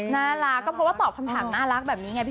น่ารักก็เพราะว่าตอบคำถามน่ารักแบบนี้ไงพี่